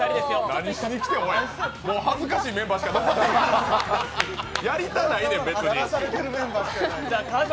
何しに来てん、もう恥ずかしいメンバーしか残ってない、やりたないねん。